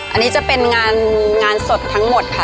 อันนี้จะเป็นงานสดทั้งหมดค่ะ